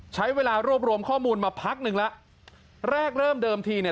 ใช้เวลารวบรวมข้อมูลมาพักหนึ่งแล้วแรกเริ่มเดิมทีเนี่ย